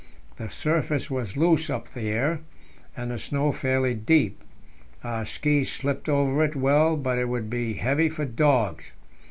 The surface was loose up here, and the snow fairly deep; our ski slipped over it well, but it would be heavy for dogs.